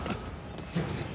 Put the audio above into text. すいません